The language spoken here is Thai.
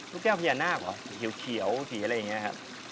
ลูกแก้วเปลี่ยนหน้าก่อเขียวอะไรอย่างนี้ครับ